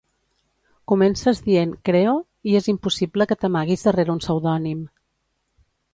Comences dient "creo" i és impossible que t'amaguis darrere un pseudònim.